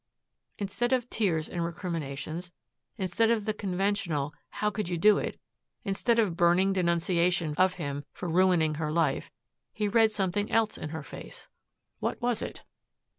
Instead of tears and recriminations, instead of the conventional "How could you do it?" instead of burning denunciation of him for ruining her life, he read something else in her face. What was it?